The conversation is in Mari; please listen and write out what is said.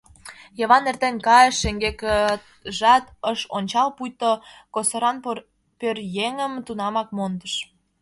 Йыван эртен кайыш, шеҥгекыжат ыш ончал, пуйто косоран пӧръеҥым тунамак мондыш.